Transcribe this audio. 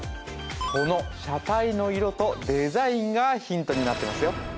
この車体の色とデザインがヒントになってますよ